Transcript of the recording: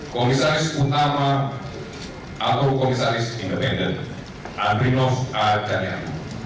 komisaris utama atau komisaris independen andri nos arjanyan